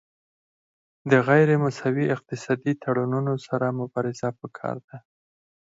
د غیر مساوي اقتصادي تړونونو سره مبارزه پکار ده